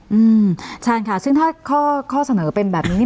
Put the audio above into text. อืมชาญค่ะซึ่งถ้าข้อเสนอเป็นแบบนี้